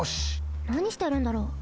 なにしてるんだろう？